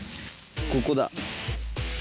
ここだ。